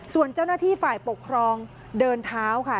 ส่วนเจ้าหน้าที่ฝ่ายปกครองเดินเท้าค่ะ